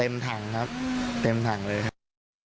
เต็มทางครับเต็มทางเลยครับ